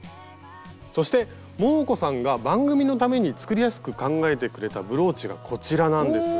そしてモー子さんが番組のために作りやすく考えてくれたブローチがこちらなんです。